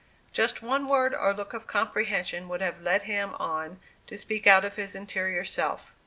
Just one word or look of comprehension would have led him on to speak out of his interior self.